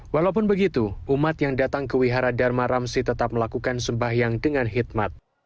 walaupun begitu umat yang datang ke wihara dharma ramsi tetap melakukan sembahyang dengan hikmat